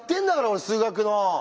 俺数学の。